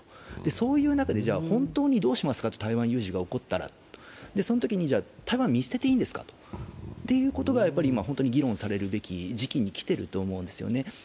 そういう中で本当に台湾有事が起こったらどうしますか、そのときに、じゃあ、台湾を見捨てていいんですかということが本当に議論されるべき時期に来ていると思うんですね。